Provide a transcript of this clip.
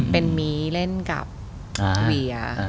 เป็นมีเล่นกับเวีย